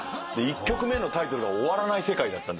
１曲目のタイトルが『終わらない世界』だったんですよ。